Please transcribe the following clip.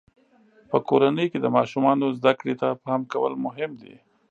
په کورنۍ کې د ماشومانو زده کړې ته پام کول مهم دي.